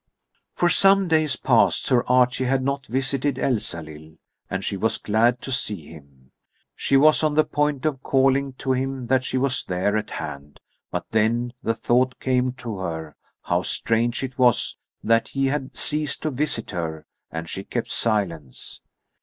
For some days past Sir Archie had not visited Elsalill, and she was glad to see him. She was on the point of calling to him that she was there at hand; but then the thought came to her, how strange it was that he had ceased to visit her, and she kept silence.